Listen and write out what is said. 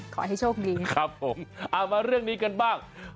ขอให้โชคดีนะครับผมเอามาเรื่องนี้กันบ้าง